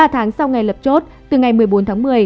ba tháng sau ngày lập chốt từ ngày một mươi bốn tháng một mươi